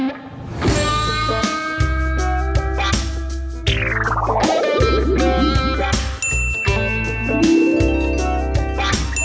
อืม